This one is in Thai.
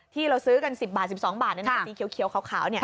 ที่เราซื้อกัน๑๐๑๒บาทในหน้ากากีเคี้ยวเขา